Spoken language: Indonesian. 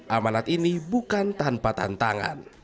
amanat ini bukan tanpa tantangan